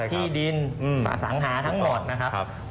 ที่ดินอสังหาทั้งหมดนะครับ